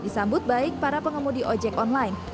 disambut baik para pengemudi ojek online